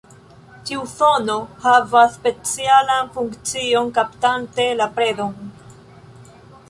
Ĉiu zono havas specialan funkcion kaptante la predon.